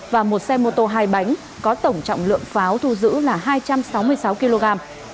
và một xe mô tô hai bánh có tổng trọng lượng pháo thu giữ là hai trăm sáu mươi sáu kg